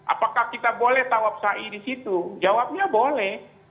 apakah kita boleh tawaf sa'i di situ jawabnya boleh